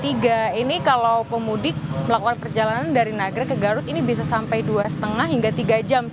ini kalau pemudik melakukan perjalanan dari nagrek ke garut ini bisa sampai dua lima hingga tiga jam